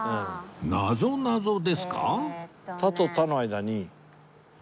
なぞなぞですか？